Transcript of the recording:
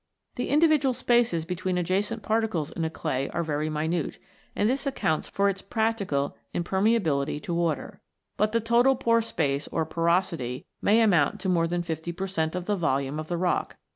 The individual spaces between adjacent particles in a clay are very minute, and this accounts for its practical impermeability to water ; but the total pore space or " porosity " may amount to more than fifty per cent, of the volume of the rock.